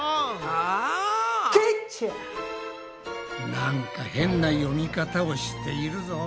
なんか変な読み方をしているぞ。